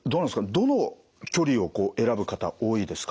どの距離をこう選ぶ方多いですか？